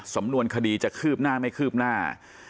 สำนวนคดีจะคืบหน้าไม่คืบหน้า